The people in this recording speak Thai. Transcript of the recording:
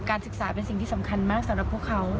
ศึกษาเป็นสิ่งที่สำคัญมากสำหรับพวกเขา